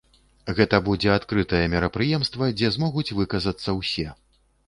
Гэта будзе адкрытае мерапрыемства, дзе змогуць выказацца ўсе.